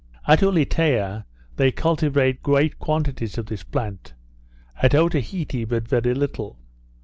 At Ulietea they cultivate great quantities of this plant. At Otaheite but very little.